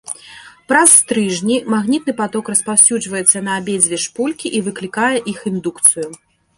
Праз стрыжні магнітны паток распаўсюджваецца на абедзве шпулькі і выклікае іх індукцыю.